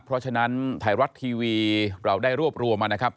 เพราะฉะนั้นไทยรัฐทีวีเราได้รวบรวมมานะครับ